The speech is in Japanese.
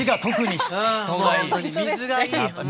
水がいい。